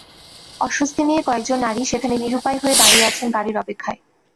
অস্বস্তি নিয়ে কয়েকজন নারী সেখানে নিরুপায় হয়ে দাঁড়িয়ে আছেন গাড়ির অপেক্ষায়।